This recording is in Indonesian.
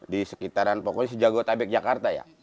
di sekitaran pokoknya sejago tabek jakarta ya